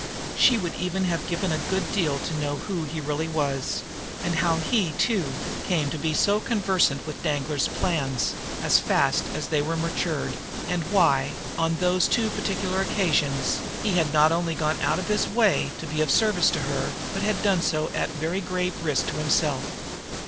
She would even have given a good deal to know who he really was, and how he, too, came to be so conversant with Danglar's plans as fast as they were matured, and why, on those two particular occasions, he had not only gone out of his way to be of service to her, but had done so at very grave risk to himself.